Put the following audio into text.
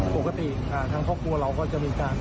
ปกติควรมีเวลาการกลงกล้าน